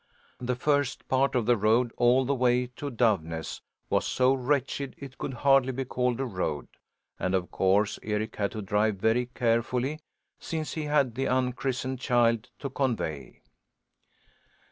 The first part of the road, all the way to Doveness, was so wretched it could hardly be called a road, and of course Eric had to drive very carefully, since he had the unchristened child to convey.